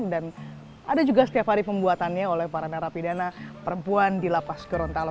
dan ada juga setiap hari pembuatannya oleh para narapidana perempuan di lapas gorontalo